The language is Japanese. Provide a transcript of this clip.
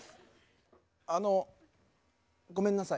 あのごめんなさい。